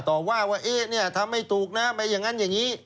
ต่อว่าว่าเอ๊ะเนี่ยทำไม่ถูกนะไม่อย่างนั้นอย่างนี้